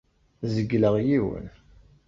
Zegleɣ yiwen.